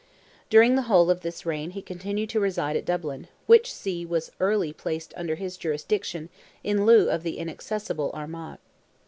During the whole of this reign he continued to reside at Dublin, which see was early placed under his jurisdiction in lieu of the inaccessible Armagh.